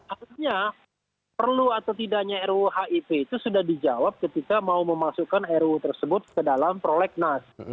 artinya perlu atau tidaknya ruhip itu sudah dijawab ketika mau memasukkan ruu tersebut ke dalam prolegnas